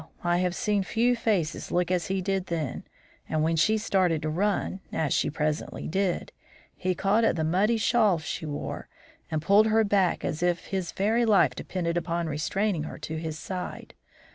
I have seen few faces look as his did then, and when she started to run as she presently did, he caught at the muddy shawl she wore and pulled her back as if his very life depended upon restraining her at his side.